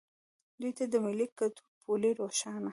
دوی ته د ملي ګټو پولې روښانه